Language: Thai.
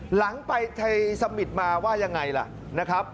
หลังไปไทยสมิตรมาว่ายังไงล่ะ